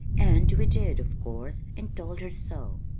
And we did, of course, and told her so.